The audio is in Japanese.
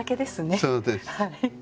そうです。